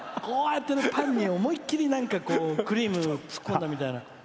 こうやって、パンに思いっきりクリーム突っ込んだみたいな。